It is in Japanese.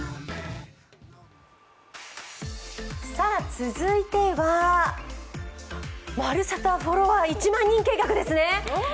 続いては「＃まるサタ！フォロワー１００００人計画」です。